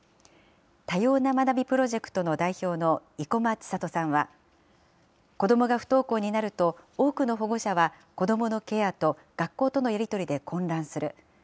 多様な学びプロジェクトの代表の生駒知里さんは、子どもが不登校になると、多くの保護者は子どものケアと学校とのやり取りで混乱する。